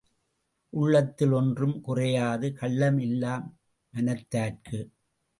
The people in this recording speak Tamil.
உள்ளத்தில் ஒன்றும் குறையாது, கள்ளம் இல்லா மனத்தார்க்கு.